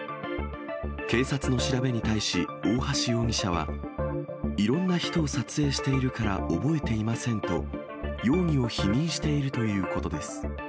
警察の調べに対し、大橋容疑者は、いろんな人を撮影しているから覚えていませんと、容疑を否認しているということです。